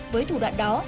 với thủ đoạn đó